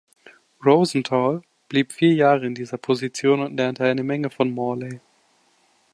Rosenthal blieb vier Jahre in dieser Position und lernte eine Menge von Morley.